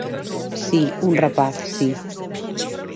Si, un rapaz, si.